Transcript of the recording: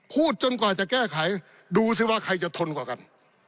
พูดจนกว่าจะแก้ไขดูสิว่าใครจะทนกว่ากัน